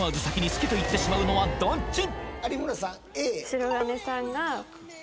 好きと言ってしまうのはどっち？